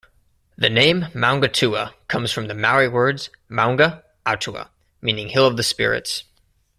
The name Maungatua comes from the Maori words "Maunga-atua", meaning "Hill of the spirits".